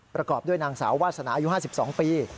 ประกอบด้วยนางสาววาสนาอายุ๕๒ปี